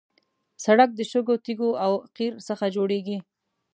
سړک د شګو، تیږو او قیر څخه جوړېږي.